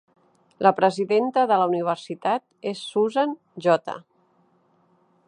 La presidenta de la universitat és Susan J.